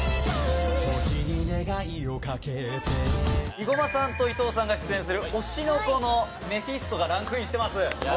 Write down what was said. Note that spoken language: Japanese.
伊駒さんと伊東さんが出演する『推しの子』の『メフィスト』がランクインしてます。